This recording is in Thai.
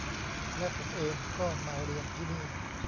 และผมเองก็มาเรียนที่นี่